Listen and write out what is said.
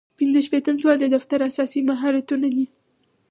پنځه شپیتم سوال د دفتر اساسي مهارتونه دي.